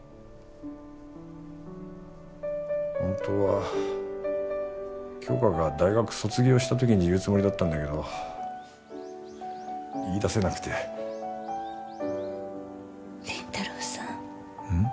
本当は杏花が大学卒業したときに言うつもりだったんだけど言い出せなくて林太郎さん